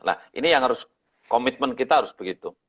nah ini yang harus komitmen kita harus begitu